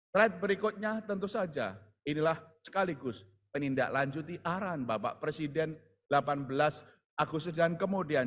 trade berikutnya tentu saja inilah sekaligus penindaklanjuti arahan bapak presiden delapan belas agustus dan kemudian